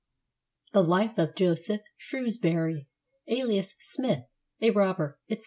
The Life of JOSEPH SHREWSBERRY, alias SMITH, a Robber, etc.